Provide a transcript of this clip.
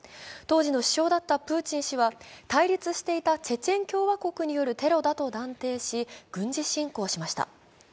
当時の首相だったプーチン氏は対立していたチェチェン共和国によるテロだと断定し、軍事侵攻しました。